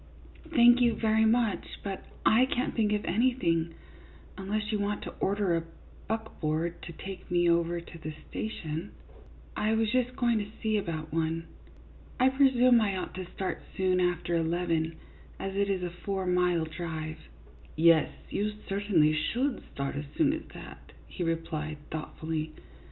" CLYDE MOORFIELD, YACHTSMAN. 55 " Thank you very much, but I can't think of any thing, unless you want to order a buckboard to take me over to the station. I was just going to see about one. I presume I ought to start soon after eleven, as it is a four mile drive." " Yes, you certainly should start as soon as that," he replied, thoughtfully.